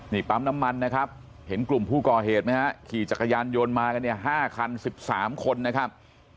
นี่ปั๊มน้ำมันนะครับเห็นกลุ่มผู้ก่อเหตุไหมฮะขี่จักรยานยนต์มากันเนี่ย๕คัน๑๓คนนะครับ